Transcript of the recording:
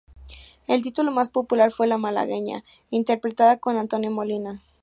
El título más popular fue "Malagueña" interpretada con Antonio Molina.